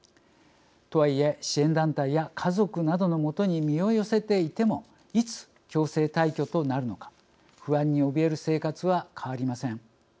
とはいえ支援団体や家族などの元に身を寄せていてもいつ強制退去となるのか不安におびえる生活は変わりません。